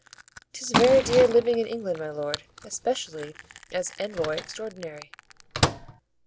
"'Tis very dear living in England, my lord, especially as envoy extraordinary."